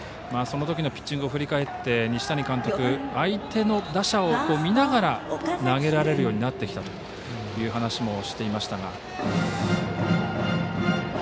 そのときのピッチングを振り返って西谷監督、相手の打者を見ながら投げられるようになってきたという話もしていましたが。